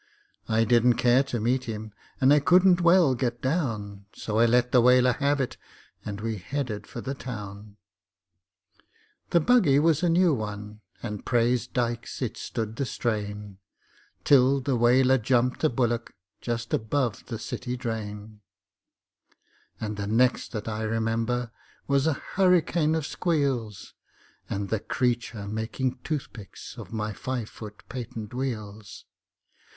I didn't care to meet him, and I couldn't well get down, So I let the Waler have it, and we headed for the town. The buggy was a new one and, praise Dykes, it stood the strain, Till the Waler jumped a bullock just above the City Drain; And the next that I remember was a hurricane of squeals, And the creature making toothpicks of my five foot patent wheels.